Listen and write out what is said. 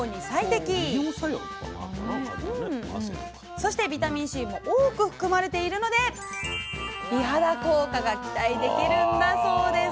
そしてビタミンＣも多く含まれているので美肌効果が期待できるんだそうです。